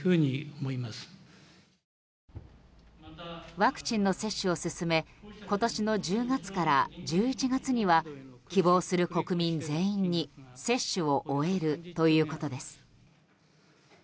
ワクチンの接種を進め今年の１０月から１１月には希望する国民全員に接種を終えるということです。